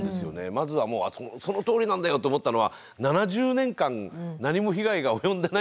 まずはもうそのとおりなんだよと思ったのは７０年間何も被害が及んでないからうちは大丈夫だっていう。